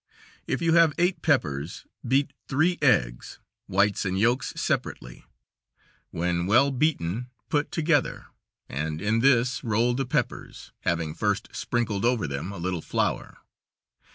If you have eight peppers beat three eggs, whites and yolks separately; when well beaten put together, and in this roll the peppers, having first sprinkled over them a little flour.